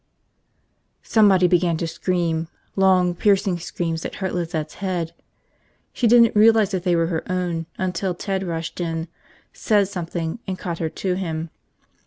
Somebody began to scream, long piercing screams that hurt Lizette's head. She didn't realize they were her own until Ted rushed in, said something, and caught her to him.